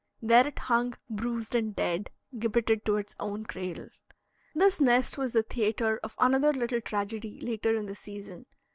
There it hung bruised and dead, gibbeted to its own cradle. This nest was the theatre of another little tragedy later in the season.